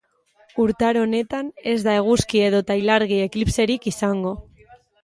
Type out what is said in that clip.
Urtaro honetan ez da eguzki edota ilargi eklipserik izango.